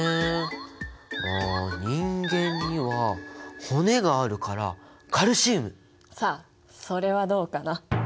あ人間には骨があるからさあそれはどうかな？